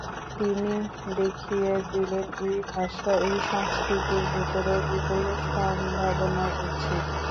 তিনি দেখিয়ে দিলেন, এই ভাষা এই সংষ্কৃতির ভেতরেও বিপুল সম্ভাবনা রয়েছে।